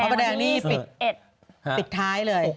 ประแดงนี่ปิดท้ายเลย